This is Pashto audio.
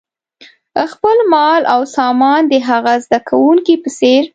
خپل مال او سامان د هغه زده کوونکي په څېر.